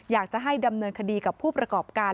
อยากจะให้ดำเนินคดีกับผู้ประกอบการ